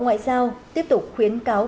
ngoại giao tiếp tục khuyến cáo